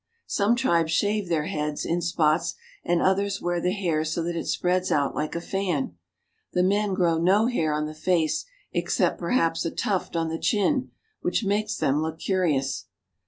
Some tribes shave their heads in spots, and others wear the hair so that it spreads out like a fan. The men grow no hair on the face except, perhaps, a tuft on the chin, which makes them look curious.